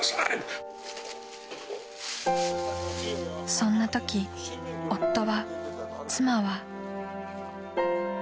［そんなとき夫は妻は］